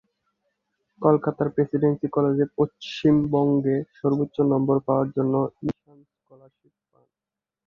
কলকাতার প্রেসিডেন্সি কলেজে পশ্চিমবঙ্গে সর্বোচ্চ নম্বর পাওয়ার জন্য ঈশান স্কলারশিপ পান।